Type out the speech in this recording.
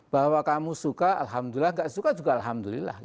bahwa kamu suka alhamdulillah gak suka juga alhamdulillah